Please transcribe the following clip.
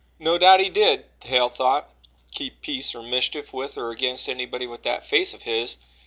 No doubt he did, Hale thought, keep peace or mischief with or against anybody with that face of his.